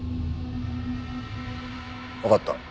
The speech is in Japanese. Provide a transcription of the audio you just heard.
わかった。